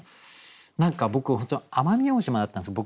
何か僕奄美大島だったんですよ